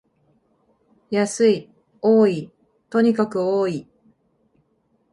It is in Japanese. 安い、多い、とにかく多い